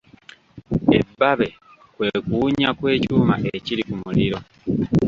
Ebbabe kwe kuwunya kw’ekyuma ekiri ku muliro.